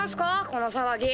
この騒ぎ。